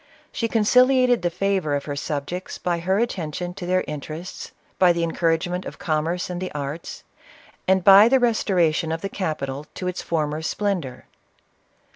She conciliated the favor of her subjects by her attention to their interests, by the en couragement of commerce and the arts, and the restora tion of the capital to its former splendor.